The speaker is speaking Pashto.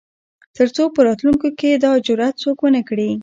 تر څو په راتلونکو کې دا جرات څوک ونه کړي.